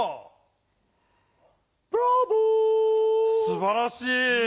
すばらしい！